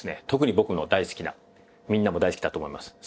特に僕の大好きなみんなも大好きだと思います。